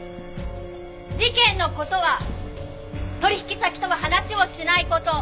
事件の事は取引先とは話をしないこと。